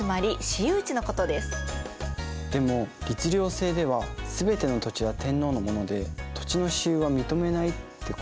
でも律令制では全ての土地は天皇のもので土地の私有は認めないってことだったよね？